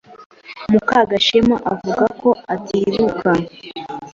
Mukagashema avuga ko atibuka.